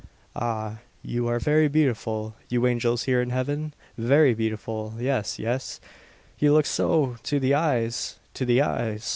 "Ah! you are very beautiful, you angels here in heaven! Very beautiful. Yes, yes; you look so to the eyes to the eyes.